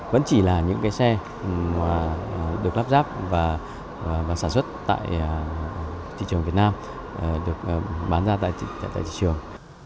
vẫn chỉ là những cái xe được lắp ráp và sản xuất tại thị trường việt nam được bán ra tại thị trường